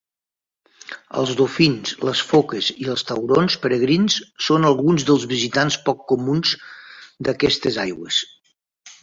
Els dofins, les foques i els taurons peregrins són alguns dels visitants pocs comuns d'aquestes aigües.